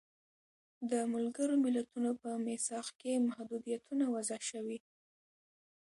د ملګرو ملتونو په میثاق کې محدودیتونه وضع شوي.